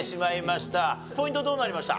ポイントどうなりました？